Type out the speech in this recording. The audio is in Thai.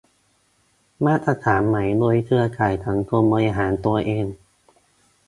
มาตรฐานใหม่โดย เครือข่ายสังคมบริหารตัวเอง